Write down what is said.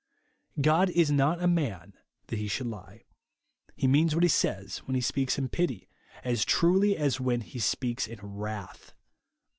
God is not a man that he should lie. He means what he says, when he speaks in pity, as truly as when he speaks in wrath.